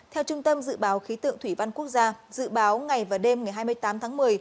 theo trung tâm dự báo khí tượng thủy văn quốc gia dự báo ngày và đêm ngày hai mươi tám tháng một mươi